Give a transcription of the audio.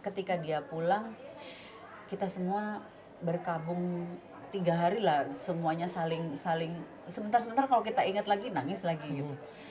ketika dia pulang kita semua berkabung tiga hari lah semuanya saling sebentar sebentar kalau kita ingat lagi nangis lagi gitu